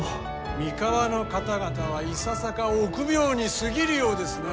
三河の方々はいささか臆病に過ぎるようですなあ。